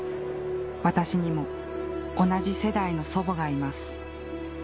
私にも同じ世代の祖母がいます